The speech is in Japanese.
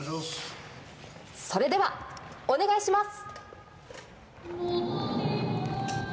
それではお願いします。